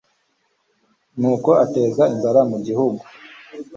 nuko ateza inzara mu gihugu